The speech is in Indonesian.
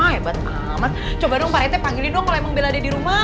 hebat amat coba dong pak rete panggilin dong emang bella ada di rumah